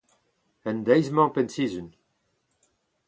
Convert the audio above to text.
en deiz-mañ e penn-sizhun